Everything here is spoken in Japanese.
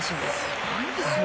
すごいですね。